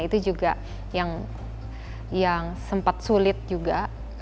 itu juga yang sempat sulit juga